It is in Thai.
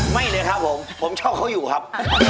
ไม่เลยครับผมผมชอบเขาอยู่ครับ